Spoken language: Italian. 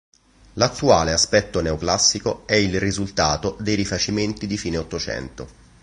L'attuale aspetto neoclassico è il risultato dei rifacimenti di fine Ottocento.